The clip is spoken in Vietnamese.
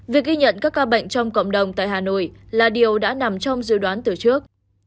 việc ghi nhận các ca bệnh trong cộng đồng tại hà nội là điều đã nằm trong dự đoán từ trước